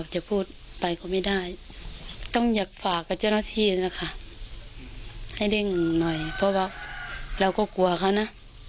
กับผู้ต้องสงสัยก็เป็นคนในหมู่บ้านเดียวกัน